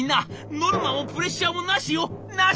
ノルマもプレッシャーもなしよなし！